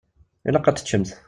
Ilaq ad teččemt.